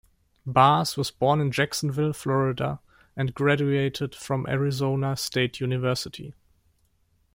Barrs was born in Jacksonville, Florida and graduated from Arizona State University.